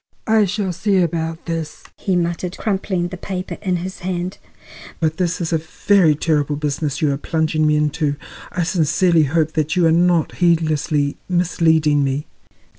"I shall see about this," he muttered, crumpling the paper in his hand. "But this is a very terrible business you are plunging me into. I sincerely hope that you are not heedlessly misleading me."